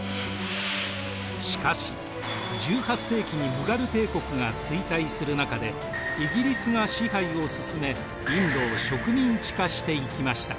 しかし１８世紀にムガル帝国が衰退する中でイギリスが支配を進めインドを植民地化していきました。